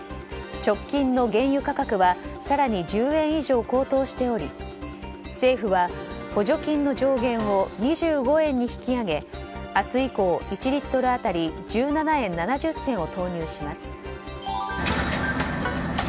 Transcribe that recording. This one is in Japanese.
直近の原油価格は更に１０円以上高騰しており政府は、補助金の上限を２５円に引き上げ明日以降、１リットル当たり１７円７０銭を投入します。